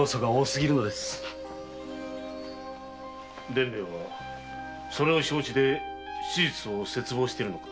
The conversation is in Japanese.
伝兵衛はそれを承知で手術を切望しているのか？